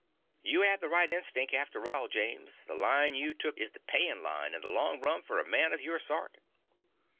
You 'ad the right instinc' arter all, James: the line you took is the payin' line in the long run fur a man o' your sort.